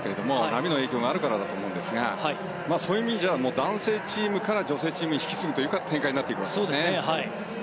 波の影響があるからだと思うんですが男性チームから女性チームに引き継ぐという展開になっていきますよね。